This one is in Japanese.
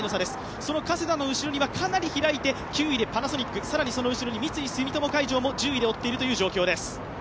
その加世田の後ろには９位でパナソニック、更にその後ろに三井住友海上も１０位で追っている状況です。